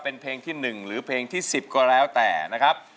เป็นเพลงที่๑หรือเพลงที่๑๐ก็แล้วแต่นะครับ